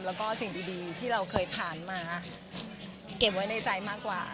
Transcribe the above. แล้วก็สิ่งดีที่เราเคยผ่านมาเก็บไว้ในใจมากกว่า